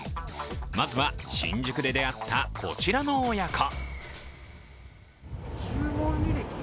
まずは新宿で出会ったこちらの親子。